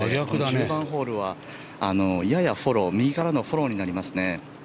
１０番ホールはややフォロー右からのフォローになりますね。